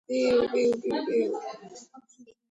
დარბაზის იატაკზე ფიქალია მოგებული.